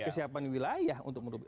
kesiapan wilayah untuk menurut